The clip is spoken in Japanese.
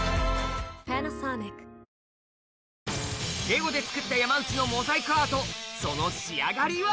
レゴで作った山内のモザイクアートその仕上がりは？